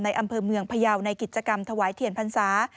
อำเภอเมืองพยาวในกิจกรรมถวายเทียนพรรษา